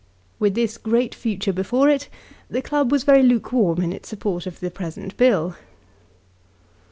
With this great future before it, the club was very lukewarm in its support of the present Bill.